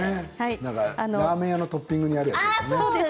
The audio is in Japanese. ラーメン屋のトッピングにあるやつね。